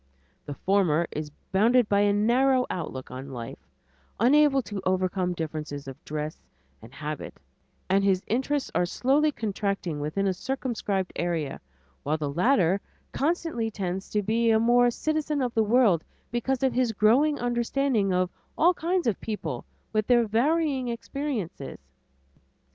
The former is bounded by a narrow outlook on life, unable to overcome differences of dress and habit, and his interests are slowly contracting within a circumscribed area; while the latter constantly tends to be more a citizen of the world because of his growing understanding of all kinds of people with their varying experiences.